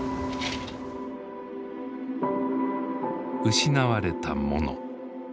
失われたもの。